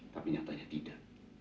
tapi nyatanya tidak